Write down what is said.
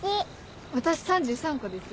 私３３個ですよ。